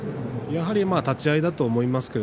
立ち合いだと思います。